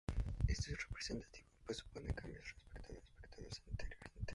Esto es representativo, pues supone cambios respecto a las costumbres anteriores.